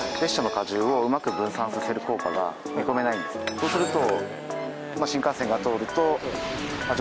そうすると。